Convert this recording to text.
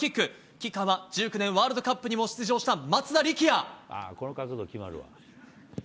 キッカーは１９年ワールドカップにも出場した松田力也。